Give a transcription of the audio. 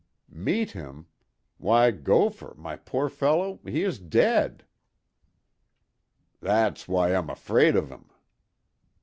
"Meet him? Why, Gopher, my poor fellow, he is dead!" "That's why I'm afraid of 'im."